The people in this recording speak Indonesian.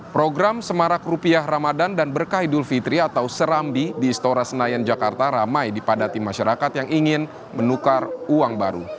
program semarak rupiah ramadan dan berkah idul fitri atau serambi di istora senayan jakarta ramai dipadati masyarakat yang ingin menukar uang baru